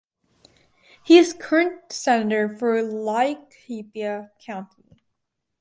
He is the current senator for Laikipia County.